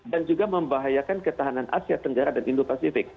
dan juga membahayakan ketahanan asia tenggara dan indo pasifik